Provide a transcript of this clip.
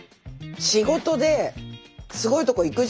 仕事ですごいとこ行くじゃないですか。